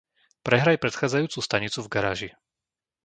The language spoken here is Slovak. Prehraj predchádzajúcu stanicu v garáži.